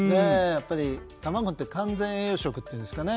やっぱり卵って完全栄養食っていうんですかね。